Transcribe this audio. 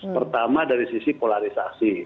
pertama dari sisi polarisasi